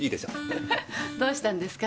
フフッどうしたんですか？